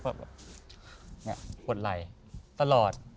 ก็แบบปวดไหล่ตลอด